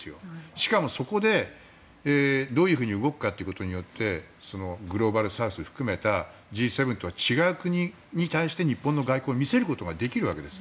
しかも、そこでどういうふうに動くかによってグローバルサウスを含めたＧ７とは違う国に対して日本の外交を見せることができるわけです。